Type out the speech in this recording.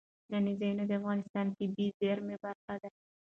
سیلانی ځایونه د افغانستان د طبیعي زیرمو برخه ده.